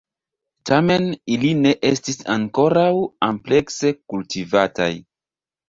Tamen, ili ne estis ankoraŭ amplekse kultivataj.